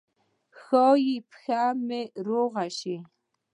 ښۍ پښه مې روغه سوې وه.